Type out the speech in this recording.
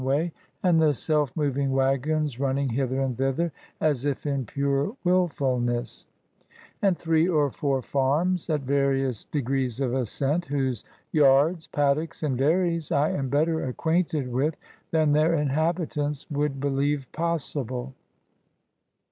way, and the self moving wagons running hither and thither, as if in pure wilfulness ; and three or four farms, at various degrees of ascent, whose yards, paddocks, and dairies I am better acquainted with than their inhabitants would believe possible.